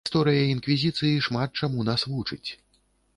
Гісторыя інквізіцыі шмат чаму нас вучыць.